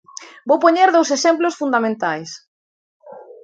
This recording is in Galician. Vou poñer dous exemplos fundamentais.